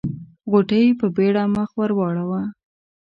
غوټۍ په بيړه مخ ور واړاوه.